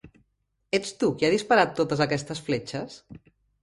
Ets tu qui ha disparat totes aquestes fletxes?